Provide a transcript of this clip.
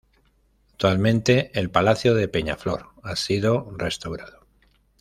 Actualmente el Palacio de Peñaflor ha sido restaurado.